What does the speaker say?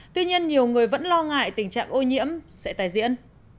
tuy nhiên nhiều người vẫn lo ngại tình trạng ô nhiễm sẽ tài diễn